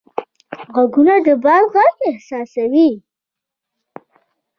غوږونه د باد غږ احساسوي